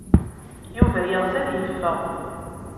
Yuba yeɣs ad yeffeɣ.